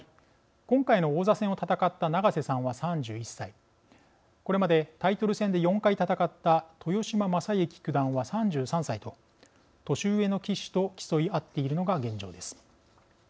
今回の王座戦を戦った永瀬さんは３１歳これまでタイトル戦で４回戦った豊島将之九段は３３歳と年上の棋士と競い合っているのが現状です。